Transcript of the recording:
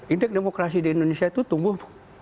indeks demokrasi di indonesia itu tumbuh tujuh puluh sembilan